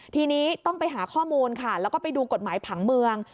ทีนี้ต้องไปหาข้อมูลค่ะแล้วก็ไปดูกฎหมายผังเมือง